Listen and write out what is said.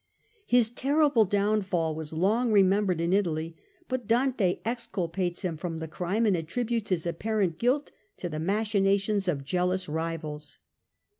His terrible downfall was long remembered in Italy, but Dante exculpates him from the crime and attributes his apparent guilt to the machinations of jealous rivals.